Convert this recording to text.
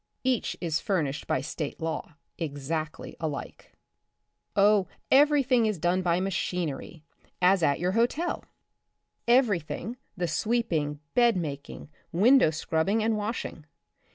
Each is furnished by state law, exactly alike). Oh, every thing is done by machinery, as at your hotel. Every thing, the sweeping, bed making, window scrubbing and washing.